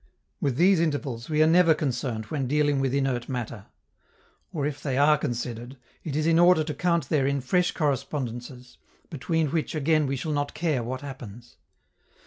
With these intervals we are never concerned when dealing with inert matter; or, if they are considered, it is in order to count therein fresh correspondences, between which again we shall not care what happens.